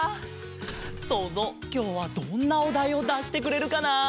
そうぞうきょうはどんなおだいをだしてくれるかな？